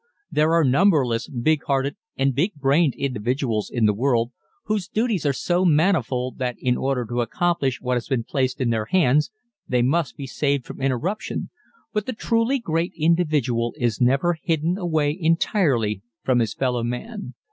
There are numberless big hearted and big brained individuals in the world whose duties are so manifold that in order to accomplish what has been placed in their hands they must be saved from interruption, but the truly great individual is never hidden away entirely from his fellow man.